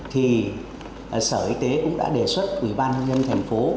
thì sở y tế cũng đã đề xuất quỹ ban hương nhân thành phố